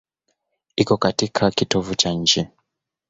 Iko katika kitovu cha nchi.